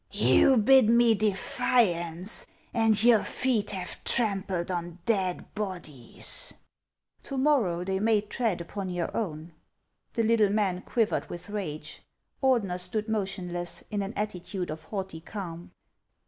" You bid me defiance, and your feet have trampled on dead bodies !"" To morrow they may tread upon your own." The little man quivered with rage. Ordener stood mo tionless, in an attitude of haughty calm.